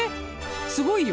すごいよ。